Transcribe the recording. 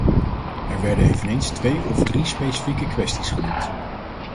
Er werden eveneens twee of drie specifieke kwesties genoemd.